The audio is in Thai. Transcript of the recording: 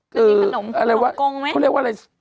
เค้าเรียกว่าอะไร